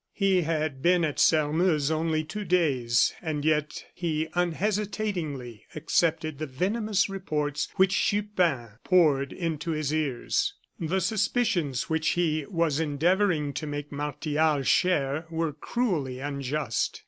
He had been at Sairmeuse only two days, and yet he unhesitatingly accepted the venomous reports which Chupin poured into his ears. The suspicions which he was endeavoring to make Martial share were cruelly unjust.